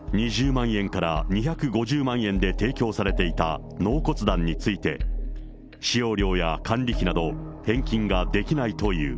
２０万円から２５０万円で提供されていた納骨壇について、使用料や管理費など、返金ができないという。